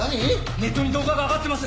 ネットに動画が上がってます。